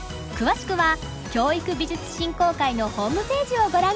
詳しくは教育美術振興会のホームページをご覧下さい。